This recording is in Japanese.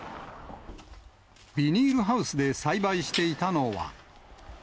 ビニールハウスで栽培していたのは。